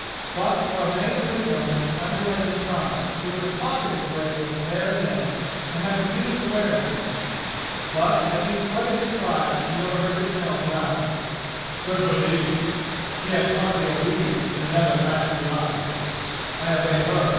But for a vein of wisdom that underlay his pride he would have pocketed the bracelet there and then and have refused to wear it again. But as he sweated his pride he overheard Ismail growl: "Good for thee! He had taught thee obedience in another bat of the eye!" "I obey her!"